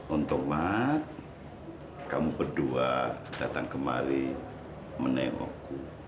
untuk mbak kamu berdua datang kemari menengokku